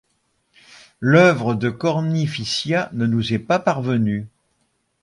L'œuvre de Cornificia ne nous est pas parvenue.